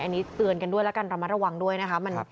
อันนี้เตือนกันด้วยแล้วกันระมัดระวังด้วยนะคะ